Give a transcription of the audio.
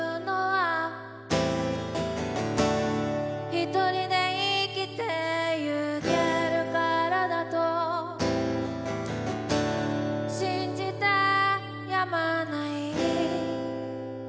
「１人で生きて行けるからだと信じて止まない」